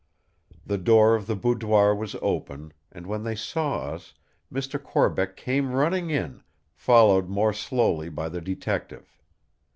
The door of the boudoir was open, and when they saw us Mr. Corbeck came running in, followed more slowly by the Detective.